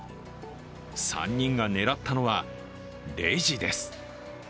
３人が狙ったのはレジです。